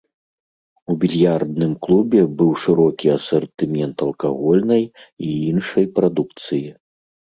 У більярдным клубе быў шырокі асартымент алкагольнай і іншай прадукцыі.